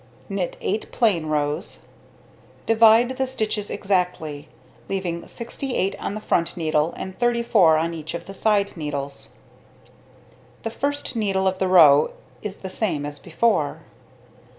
Knit 8 plain rows. Divide the stitches exactly, leaving 68 on the front needle, and 34 on each of the side needles. The first needle of the row is the same as before.